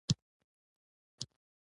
موږ کولی شو هغه هلته پریږدو